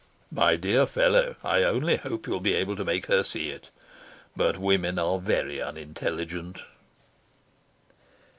"My dear fellow, I only hope you'll be able to make her see it. But women are very unintelligent."